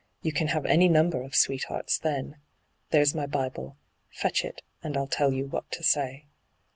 You can have any number of sweethearts then. There's my Bible. Fetch it, and I'U tell you what to say."